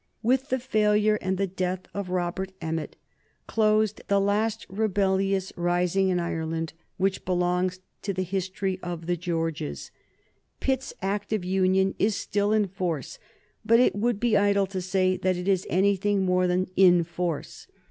With the failure and the death of Robert Emmet closed the last rebellious rising in Ireland which belongs to the history of the Georges. Pitt's Act of Union is still in force, but it would be idle to say that it is anything more than in force.